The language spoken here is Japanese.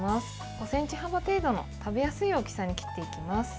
５ｃｍ幅程度の食べやすい大きさに切っていきます。